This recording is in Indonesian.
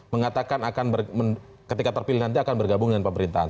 mengatakan akan ketika terpilih nanti akan bergabung dengan pemerintahan